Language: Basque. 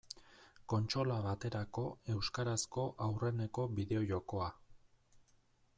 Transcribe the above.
Kontsola baterako euskarazko aurreneko bideo-jokoa.